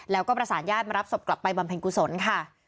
แล้วก็ประสานญาติมารับศพกลับไปบำเพ็ญกุศลค่ะ